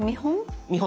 見本？